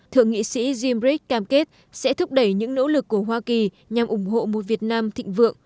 thượng nghị sĩ gimbrick cam kết sẽ thúc đẩy những nỗ lực của hoa kỳ nhằm ủng hộ một việt nam thịnh vượng